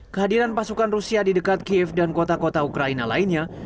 kehadiran pasukan rusia di dekat kiev dan kota kota ukraina lainnya